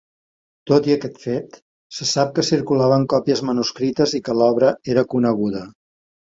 Tot i aquest fet, se sap que circulaven còpies manuscrites i que l'obra era coneguda.